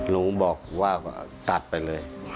ลุงบอกว่าตัดไปเลย